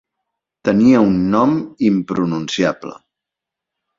Tenia un nom impronunciable.